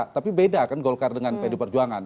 tapi beda kan golkar dengan pd perjuangan